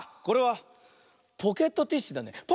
これはポケットティッシュだね。